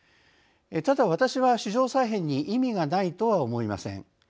ただ私は、市場再編に意味がないとは思いません。